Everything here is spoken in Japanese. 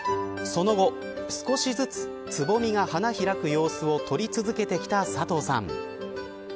その後少しずつつぼみが花開く様子を撮り続けてきた佐藤さん。